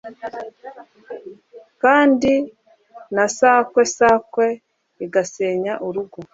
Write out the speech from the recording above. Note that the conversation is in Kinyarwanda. kandi na sakwe sakwe igasenya urugo